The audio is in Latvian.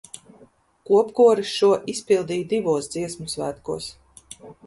Kopkoris šo izpildīja divos Dziesmu svētkos.